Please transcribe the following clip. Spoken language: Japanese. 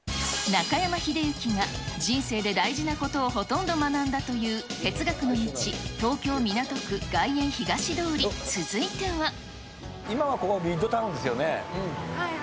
中山秀征が、人生で大事なことをほとんど学んだという哲学の道、今はここ、ミッドタウンですよね。